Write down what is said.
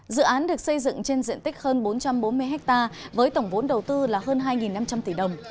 dự án được xây dựng trên diện tích hơn bốn trăm bốn mươi ha với tổng vốn đầu tư là hơn hai năm trăm linh tỷ đồng